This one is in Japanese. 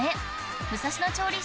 武蔵野調理師